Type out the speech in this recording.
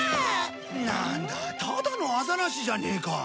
なんだただのアザラシじゃねえか。